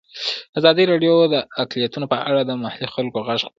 ازادي راډیو د اقلیتونه په اړه د محلي خلکو غږ خپور کړی.